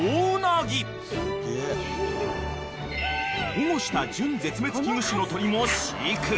［保護した準絶滅危惧種の鳥も飼育］